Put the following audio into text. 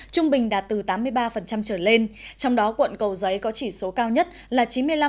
trung bình đạt từ tám mươi ba trở lên trong đó quận cầu giấy có chỉ số cao nhất là chín mươi năm sáu mươi một